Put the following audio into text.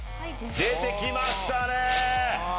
出てきましたね。